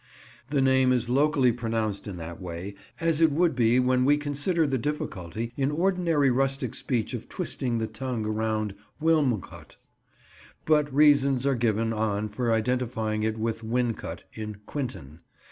The name is locally pronounced in that way, as it would be when we consider the difficulty in ordinary rustic speech of twisting the tongue round "Wilmcote." But reasons are given on p. 169 for identifying it with Wincot in Quinton.